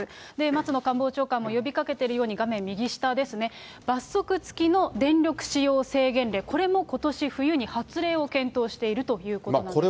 松野官房長官も呼びかけているように、画面右下ですね、罰則付きの電力使用制限令、これもことし冬に発令を検討しているということなんですね。